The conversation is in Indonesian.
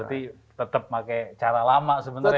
berarti tetap pakai cara lama sebenarnya ya mas